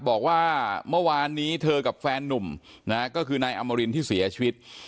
บอกว่าเมื่อวานนี้เธอกับแฟนนุ่มนะฮะก็คือนายอมรินที่เสียชีวิต